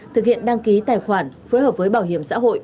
thực hiện đăng ký tài khoản phối hợp với bảo hiểm xã hội